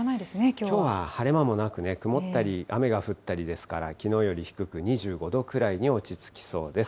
きょうは晴れ間もなく、曇ったり、雨が降ったりですから、きのうより低く２５度ぐらいに落ち着きそうです。